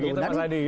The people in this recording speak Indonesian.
oh gitu mas adi